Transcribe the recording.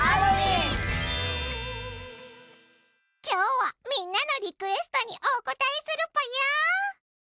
今日はみんなのリクエストにお応えするぽよ。